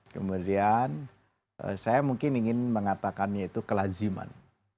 kemudian saya mungkin ingin mengatakannya itu kelaziman